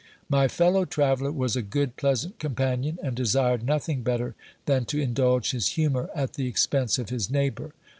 My fellow traveller was a good, pleasant companion, and desired nothing better than to indulge his humour at the expense of his neighbour.